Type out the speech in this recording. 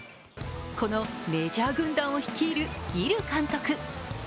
このメジャー軍団を率いるギル監督。